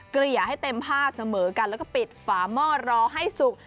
เกลี่ยให้เต็มผ้าเสมอกันแล้วก็ปิดฝาหม้อรอให้สุก